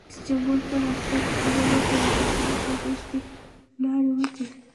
رئیس جمهور خپلو عسکرو ته امر وکړ؛ د دښمن د تیښتې لارې وتړئ!